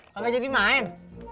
kagak jadi main